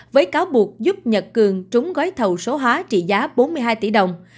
với cáo buộc giúp nhật cường trúng gói thầu số hóa trị giá bốn mươi hai tỷ đồng